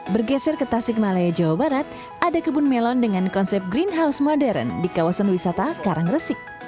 bergeser ke tasik malaya jawa barat ada kebun melon dengan konsep greenhouse modern di kawasan wisata karangresik